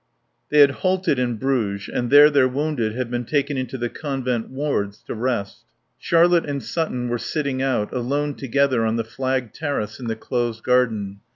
XVI They had halted in Bruges, and there their wounded had been taken into the Convent wards to rest. Charlotte and Sutton were sitting out, alone together on the flagged terrace in the closed garden.